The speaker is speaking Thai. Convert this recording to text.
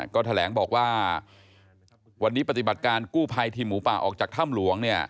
ก็แถลงบอกว่าวันนี้ปฏิบัติการกู้ภัยทีมหมูป่าออกจากถ้ำหลวงเนี่ย